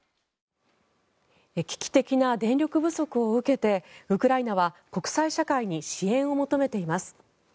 危機的な電力不足を受けてウクライナは国際社会に支援を求めています。